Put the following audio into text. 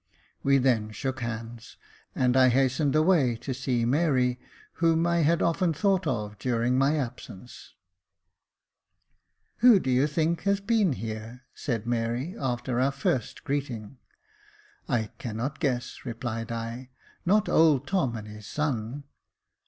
We then shook hands, and I hastened away to see Mary, whom I had often thought of during my absence. Jacob Faithful 223 ' Who do you think has been here ?" said Mary, after our first greeting. *' I cannot guess," replied L Not old Tom and his son